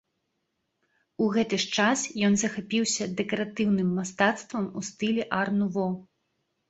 У гэты ж час ён захапіўся дэкаратыўным мастацтвам ў стылі ар-нуво.